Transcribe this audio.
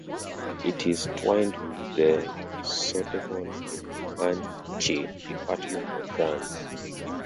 It is twinned with Sourdeval in the Manche Department of France.